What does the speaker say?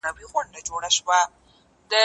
دا هېواد د اسیا د اتصال څلورلارې کې موقعیت لري.